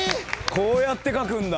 こうやって書くんだ。